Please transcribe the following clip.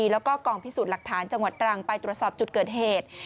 แล้วก็กองพิสูจน์หลักฐานจังหวัดตรังไปตรวจสอบจุดเกิดเหตุ